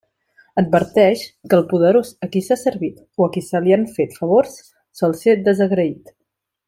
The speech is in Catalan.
Adverteix que al poderós a qui s'ha servit o a qui se li han fet favors sol ser desagraït.